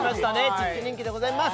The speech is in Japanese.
チッチ人気でございます